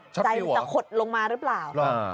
ใจมันจะขดลงมาหรือเปล่า